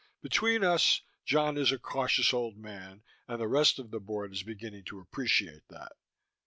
Between us, John is a cautious old man, and the rest of the Board is beginning to appreciate that.